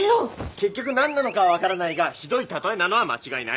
結局何なのかは分からないがひどい例えなのは間違いない。